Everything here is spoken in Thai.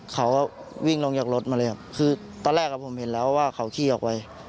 เขาก็วิ่งลงจากรถมาเลยครับคือตอนแรกผมเห็นแล้วว่าเขาขี่ออกไป